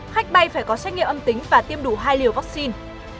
khách bay phải có xét nghiệm âm tính và tiêm đủ hai liều vaccine